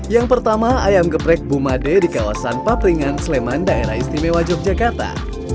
yang pertama ayam geprek bumade di kawasan papringan sleman daerah istimewa yogyakarta